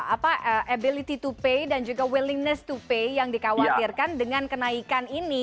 apa ability to pay dan juga willingness to pay yang dikhawatirkan dengan kenaikan ini